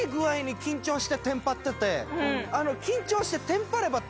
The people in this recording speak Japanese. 緊張して。